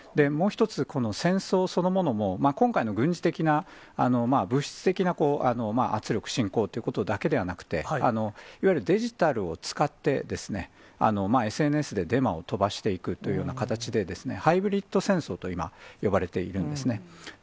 もう一つ、戦争そのものも、今回の軍事的な、物質的な圧力、侵攻ということではなくて、いわゆるデジタルを使ってですね、ＳＮＳでデマを飛ばしていくというような形で、ハイブリッド戦争と、今、呼ばれているんですね。